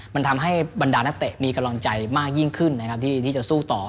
มันทำให้บรรดานักเตะมีกำลังใจมากยิ่งขึ้นนะครับที่จะสู้ต่อ